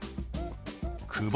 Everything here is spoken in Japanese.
「久保」。